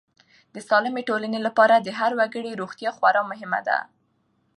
د سالمې ټولنې لپاره د هر وګړي روغتیا خورا مهمه ده.